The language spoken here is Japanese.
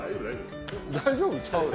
大丈夫ちゃうわ。